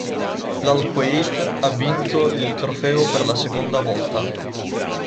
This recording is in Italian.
L'Al-Kuwait ha vinto il trofeo per la seconda volta.